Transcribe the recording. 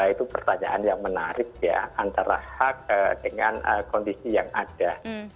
itu pertanyaan yang menarik ya antara hak dengan kondisi yang ada